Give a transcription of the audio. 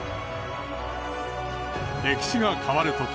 歴史が変わるとき